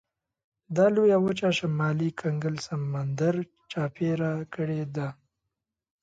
دا لویه وچه شمالي کنګل سمندر چاپېره کړې ده.